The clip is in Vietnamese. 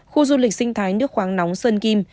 khu du lịch sinh thái nước khoáng nóng sơn kim